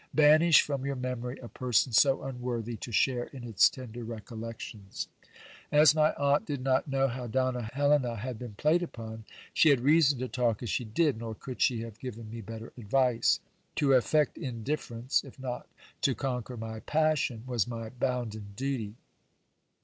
Banish from your memory a person so unworthy to share in its tender recollections. As my aunt did not know how Donna Helena had been played upon, she had reason to talk as she did : nor could she have given me better advice. To affect indifference, if not to conquer my passion, was my bounden duty.